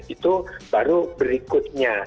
itu baru berikutnya